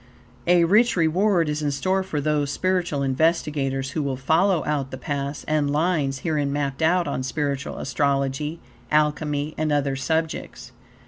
A rich reward is in store for those spiritual investigators who will follow out the paths and lines herein mapped out on Spiritual Astrology, Alchemy, and other subjects.